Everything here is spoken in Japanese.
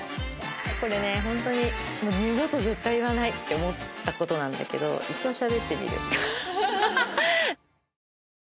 本当に二度と絶対言わないって思ったことなんだけど一応しゃべってみる。